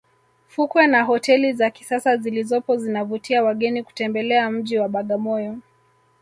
fukwe na hoteli za kisasa zilizopo zinavutia wageni kutembelea mji wa bagamoyo